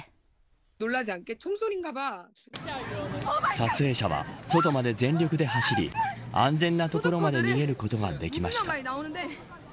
撮影者は外まで全力で走り安全な所まで逃げることができました。